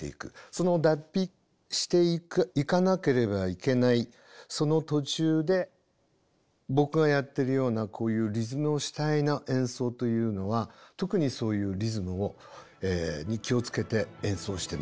その脱皮していかなければいけないその途中で僕がやってるようなこういうリズムを主体の演奏というのは特にそういうリズムに気を付けて演奏してます。